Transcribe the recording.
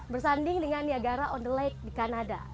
bersanding dengan niagara on the lake di kanada